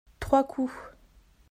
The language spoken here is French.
trois coups.